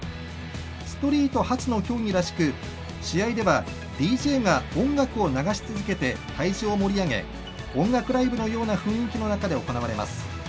ストリート発の競技らしく試合ではＤＪが音楽を流し続けて会場を盛り上げ音楽ライブのような雰囲気の中で行われます。